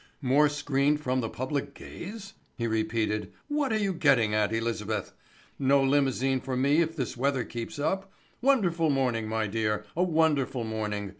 "More screened from the public gaze?", he repeated. "What are you getting at, Elizabeth? No limousine for me if this weather keeps up. Wonderful morning, my dear, a wonderful morning.